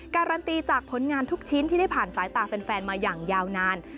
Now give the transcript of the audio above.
การันตีจากผลงานทุกชิ้นที่ได้ผ่านสายตาแฟนมาอย่างยาวนาน